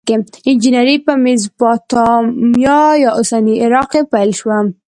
انجنیری په میزوپتامیا یا اوسني عراق کې پیل شوه.